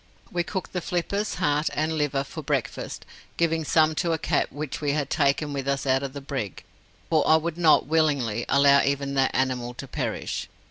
We cooked the flippers, heart, and liver for breakfast, giving some to a cat which we had taken with us out of the brig, for I would not, willingly, allow even that animal to perish.